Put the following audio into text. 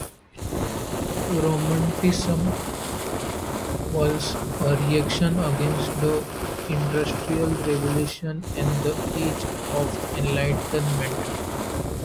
Romanticism was a reaction against the industrial revolution and the Age of Enlightenment.